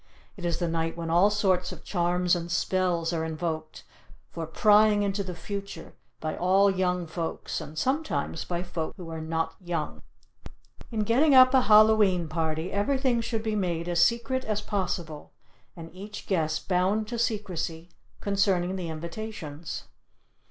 It is the night when all sorts of charms and spells are invoked for prying into the future by all young folks and sometimes by folks who are not young. In getting up a Hallow e'en Party everything should be made as secret as possible, and each guest bound to secrecy concerning the invitations.